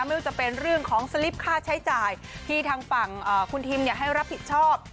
ไม่ว่าจะเป็นเรื่องของสลิปค่าใช้จ่ายที่ทางฝั่งคุณทิมให้รับผิดชอบ